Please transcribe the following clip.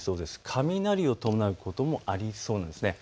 雷を伴うこともありそうなんです。